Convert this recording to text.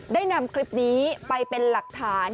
ได้นำคลิปนี้ไปเป็นหลักฐาน